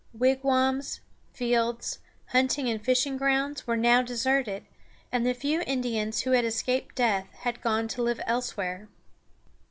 Wigwams, fields, hunting and fishing grounds were now deserted, and the few Indians who had escaped death had gone to live elsewhere.